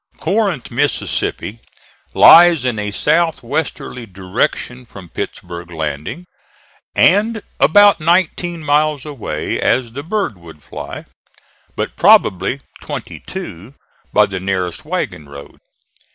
Corinth, Mississippi, lies in a south westerly direction from Pittsburg landing and about nineteen miles away as the bird would fly, but probably twenty two by the nearest wagon road.